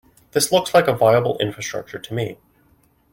This looks like a viable infrastructure to me.